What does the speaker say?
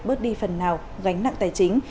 bước đi phần nào gánh nặng tài chính